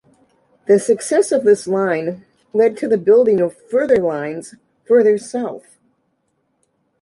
The success of this line led to the building of further lines further south.